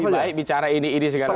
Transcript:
lebih baik bicara ini ini segala macam